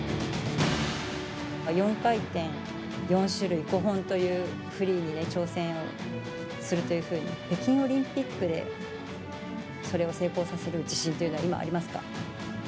４回転４種類５本というフリーに挑戦するというふうに、北京オリンピックで、それを成功させる自信というのは今、ありますか？